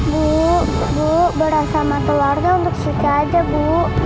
bu bu beras sama telurnya untuk siti aja bu